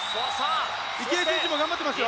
池江選手も頑張っていますよ。